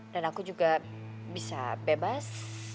dan aku juga bisa bebas